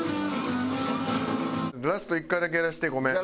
ラスト１回だけやらせてごめん。